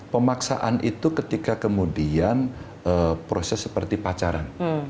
pemaksaan itu ketika kemudian proses seperti pacaran